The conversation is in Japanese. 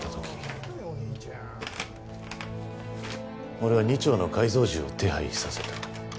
俺は２丁の改造銃を手配させた。